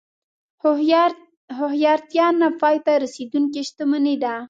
هوښیارتیا نه پای ته رسېدونکې شتمني ده.